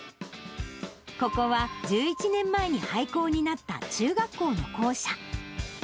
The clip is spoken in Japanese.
ここは１１年前に廃校になった中学校の校舎。